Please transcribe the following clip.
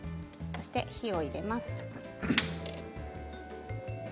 そして火を入れます。